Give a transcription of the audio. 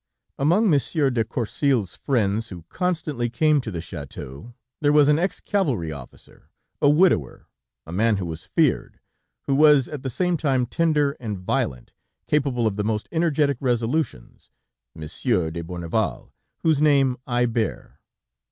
"Among Monsieur de Courcil's friends who constantly came to the château, there was an ex cavalry officer, a widower, a man who was feared, who was at the same time tender and violent, capable of the most energetic resolutions, Monsieur de Bourneval, whose name I bear.